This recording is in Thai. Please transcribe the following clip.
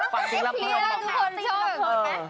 ฟันสิทธิ์ลำเผิน